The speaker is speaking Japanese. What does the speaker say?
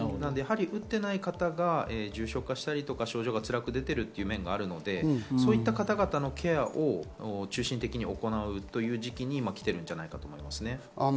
打っていない方が重症化したり、症状が辛く出ている面があるので、そういった方々のケアを中心的に行うという時期に来ているんじゃないかなと思いますね。